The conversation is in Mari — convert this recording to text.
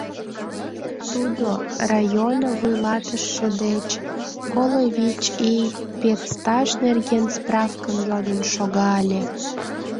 Тудо РайОНО вуйлатыше деч коло вич ий педстаж нерген справкым йодын шога ыле.